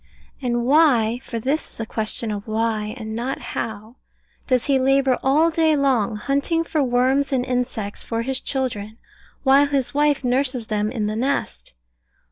And why (for this is a question of Why, and not of How) does he labour all day long, hunting for worms and insects for his children, while his wife nurses them in the nest?